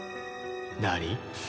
何？